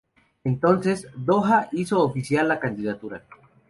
Entonces, Doha hizo oficial la candidatura.